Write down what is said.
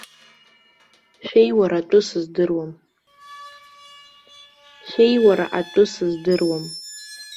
Шәеиуара атәы сыздыруам.